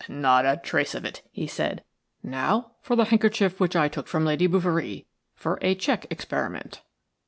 "Not a trace of it," he said. "Now for the handkerchief which I took from Lady Bouverie for a check experiment."